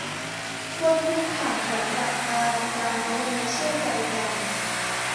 บนพื้นฐานของหลักการการไว้เนื้อเชื่อใจกัน